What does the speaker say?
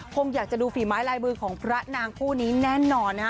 คงอยากจะดูฝีไม้ลายมือของพระนางคู่นี้แน่นอนนะฮะ